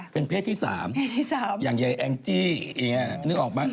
เป็นเพศที่๓อย่างใยแอ้งจี้นึกออกมั้ย